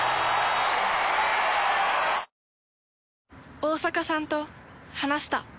大坂さんと話した。